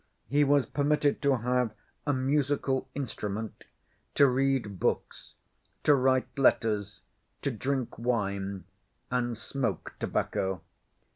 He was permitted to have a musical instrument, to read books, to write letters, to drink wine and smoke tobacco.